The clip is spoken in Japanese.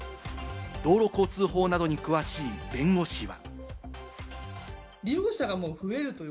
道路交通法などに詳しい弁護士は。